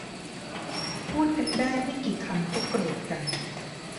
พูดกันได้ไม่กี่คำก็โกรธกัน